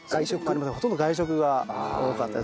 ほとんど外食が多かったです。